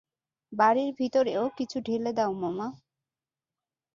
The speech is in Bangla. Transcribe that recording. বাড়ির ভিতরেও কিছু ঢেলে দাও মামা।